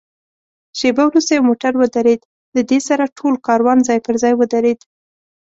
شېبه وروسته یو موټر ودرېد، له دې سره ټول کاروان ځای پر ځای ودرېد.